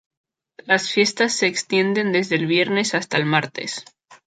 Las fiestas se extienden desde el viernes hasta el martes.